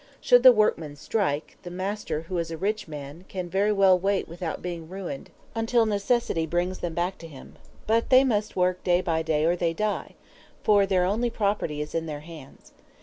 Should the workmen strike, the master, who is a rich man, can very well wait without being ruined until necessity brings them back to him; but they must work day by day or they die, for their only property is in their hands.